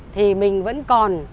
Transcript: thì mình vẫn còn